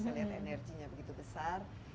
saya lihat energinya begitu besar